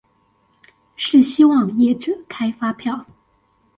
是希望業者開發票